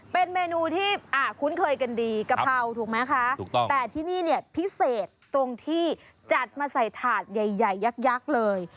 เป็นเมนูที่คุ้นเคยกันดีกะเพราถูกไหมคะถูกต้องแต่ที่นี่เนี่ยพิเศษตรงที่จัดมาใส่ถาดใหญ่ยักษ์เลย